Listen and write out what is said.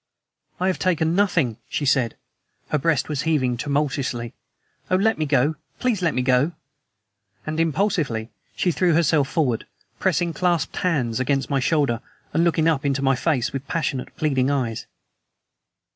"I have taken nothing," she said. Her breast was heaving tumultuously. "Oh, let me go! Please, let me go!" And impulsively she threw herself forward, pressing clasped hands against my shoulder and looking up into my face with passionate, pleading eyes.